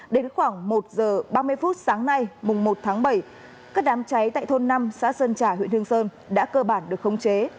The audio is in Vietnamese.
đến khoảng một giờ ba mươi phút sáng nay mùng một tháng bảy các đám cháy tại thôn năm xã sơn trà huyện hương sơn đã cơ bản được khống chế